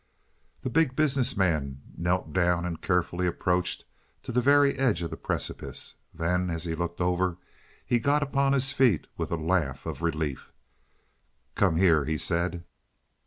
The Big Business Man knelt down and carefully approached to the very edge of the precipice. Then, as he looked over, he got upon his feet with a laugh of relief. "Come here," he said.